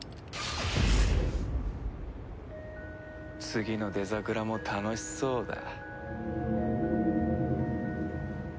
次のデザグラも楽しそうだ。